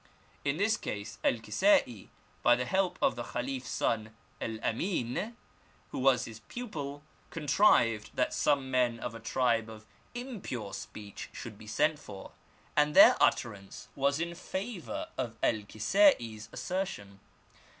In this case El Kisa'i, by the help of the KhaliPs son El Amin, who was his pupil, con trived that some men of a tribe of impure speech should be sent for, and their utterance was in favour of El Kisa'i^s assertion.